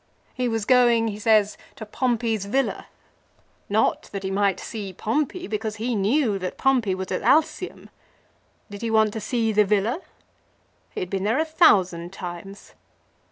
He was going, he says, to Pompey's villa. Not that he might see Pompey, because he knew that Pompey was at Alsium. Did he want to see the villa? He had been there a thousand times.